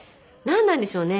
なんなんでしょうね。